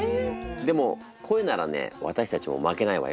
でも声ならね私たちも負けないわよ。